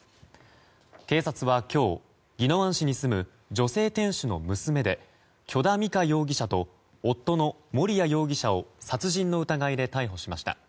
警察は今日、宜野湾市に住む女性店主の娘で許田美香容疑者と夫の盛哉容疑者を殺人の疑いで逮捕しました。